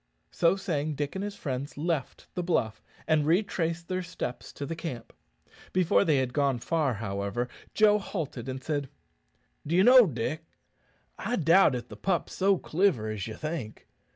So saying, Dick and his friends left the bluff, and retraced their steps to the camp. Before they had gone far, however, Joe halted, and said, "D'ye know, Dick, I doubt if the pup's so cliver as ye think.